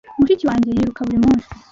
Mushiki wanjye yiruka buri munsi.